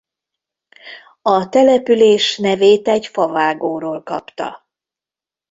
A település nevét egy favágóról kapta.